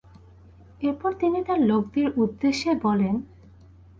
এরপর তিনি তার লোকদের উদ্দেশ্যে বলেনঃ